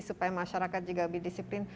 supaya masyarakat juga lebih disiplin